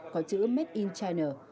có chữ made in china